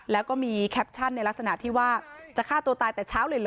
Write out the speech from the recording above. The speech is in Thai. แล้วก็มีแคปชั่นในลักษณะที่ว่าจะฆ่าตัวตายแต่เช้าเลยเหรอ